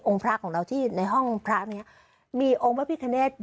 องค์พระของเราที่ในห้องพระพิการเนธ